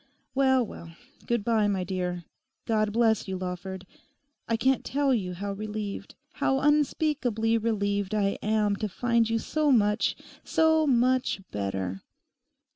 Well, well; good bye, my dear. God bless you, Lawford. I can't tell you how relieved, how unspeakably relieved I am to find you so much—so much better.